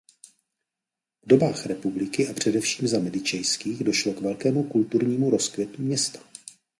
V dobách republiky a především za Medicejských došlo k velkému kulturnímu rozkvětu města.